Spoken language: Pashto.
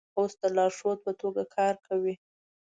اوس د لارښود په توګه کار کوي.